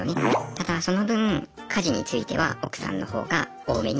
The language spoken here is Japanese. ただその分家事については奥さんの方が多めに。